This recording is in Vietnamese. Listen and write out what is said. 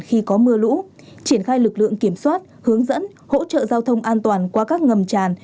khi có mưa lũ triển khai lực lượng kiểm soát hướng dẫn hỗ trợ giao thông an toàn qua các ngầm tràn